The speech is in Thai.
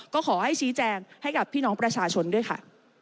ก็ขอให้ชี้แจงให้กับพี่น้องประชาชนด้วยค่ะ